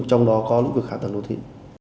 trong đó có lĩnh vực hạ tầng đô thị